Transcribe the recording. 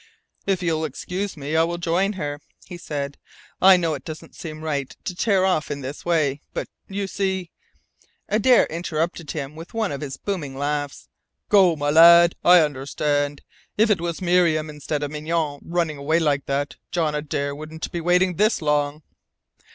"If you will excuse me I will join her," he said. "I know it doesn't seem just right to tear off in this way, but you see " Adare interrupted him with one of his booming laughs. "Go, my lad. I understand. If it was Miriam instead of Mignonne running away like that, John Adare wouldn't be waiting this long."